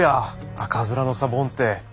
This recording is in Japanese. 赤面のサボンて！